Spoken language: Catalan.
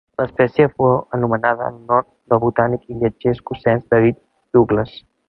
L'espècie fou anomenada en honor del botànic i viatger escocès David Douglas.